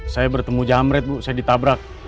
saya bertemu jamret bu saya ditabrak